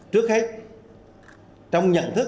trước hết trong nhận thức